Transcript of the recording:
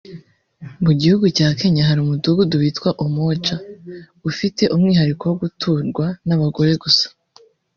Mu gihugu cya kenya hari umudugudu witwa Umoja ufite umwihariko wo guturwa n’abagore gusa